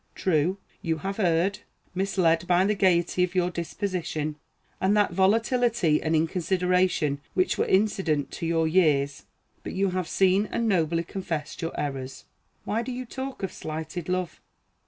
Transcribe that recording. True, you have erred; misled by the gayety of your disposition, and that volatility and inconsideration which were incident to your years; but you have seen and nobly confessed your errors. Why do you talk of slighted love?